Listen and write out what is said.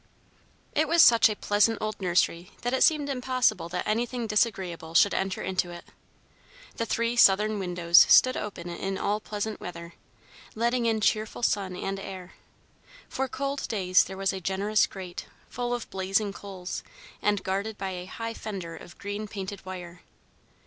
It was such a pleasant old nursery that it seemed impossible that anything disagreeable should enter into it. The three southern windows stood open in all pleasant weather, letting in cheerful sun and air. For cold days there was a generous grate, full of blazing coals, and guarded by a high fender of green painted wire.